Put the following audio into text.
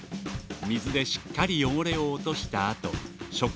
水でしっかり汚れをおとしたあとしょく